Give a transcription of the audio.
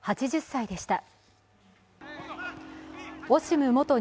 ８０歳でした。